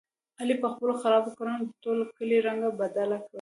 علي په خپلو خرابو کړنو د ټول کلي رنګه بده کړله.